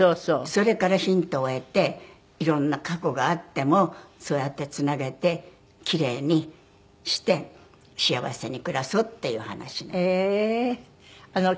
それからヒントを得て色んな過去があってもそうやってつなげて奇麗にして幸せに暮らそうっていう話なの。